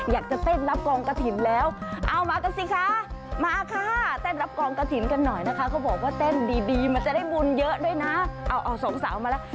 อยากจะเต้นรับกองกฐินแล้วเอามากันสิคะมาค่ะ